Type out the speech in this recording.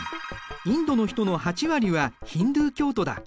インドの人の８割はヒンドゥー教徒だ。